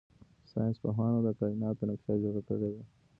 ساینس پوهانو د کائناتو نقشه جوړه کړې ده.